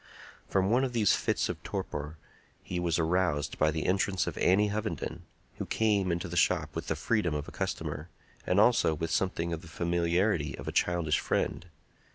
From one of these fits of torpor he was aroused by the entrance of Annie Hovenden, who came into the shop with the freedom of a customer, and also with something of the familiarity of a childish friend.